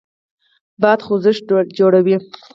باد خوځښت جوړوي.